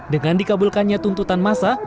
dengan dikabulkannya tuntutan masa